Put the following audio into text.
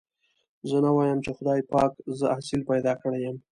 زه نه وايم چې خدای پاک زه اصيل پيدا کړي يم.